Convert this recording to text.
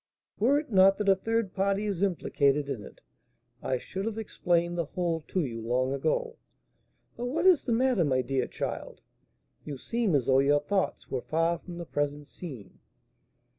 Were it not that a third party is implicated in it, I should have explained the whole to you long ago. But what is the matter, my dear child? You seem as though your thoughts were far from the present scene."